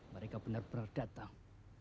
mereka benar benar datang